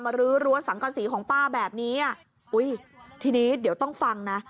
รื้อรั้วสังกษีของป้าแบบนี้อ่ะอุ้ยทีนี้เดี๋ยวต้องฟังนะ